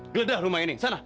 gledah rumah ini sana